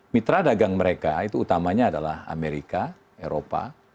mitra dagang mereka itu utamanya adalah amerika eropa